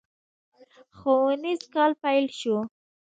ښوونيز کال پيل شو.